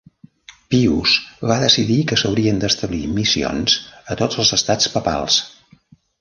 Pius va decidir que s'haurien d'establir missions a tot els Estats papals.